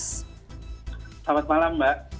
selamat malam mbak